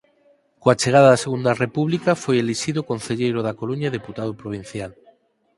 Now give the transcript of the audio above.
Coa chegada da Segunda República foi elixido concelleiro da Coruña e deputado provincial.